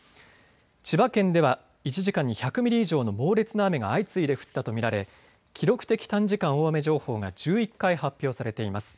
千葉県では１時間に１００ミリ以上の猛烈な雨が相次いで降ったと見られ記録的短時間大雨情報が１１回発表されています。